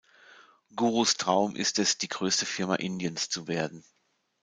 Gurus Traum ist es die größte Firma Indiens zu werden.